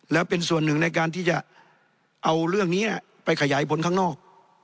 แล้วเป็นส่วนหนึ่งในการที่จะเอาเรื่องนี้ไปขยายผลข้างนอก